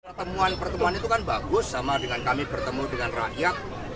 pertemuan pertemuan itu kan bagus sama dengan kami bertemu dengan rakyat